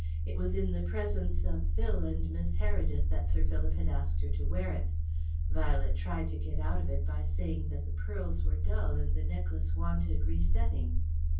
It was in the presence of Phil and Miss Heredith that Sir Philip had asked her to wear it. Violet tried to get out of it by saying that the pearls were dull and the necklace wanted resetting.